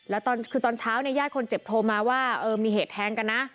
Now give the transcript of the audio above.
แล้วตอนคือตอนเช้าเนี่ยญาติคนเจ็บโทรมาว่ามีเหตุแทงกันนะ